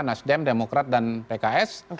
nasdem demokrat dan pks